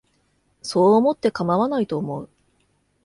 そう思ってかまわないと思う